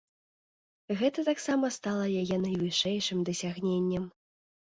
Гэта таксама стала яе найвышэйшым дасягненнем.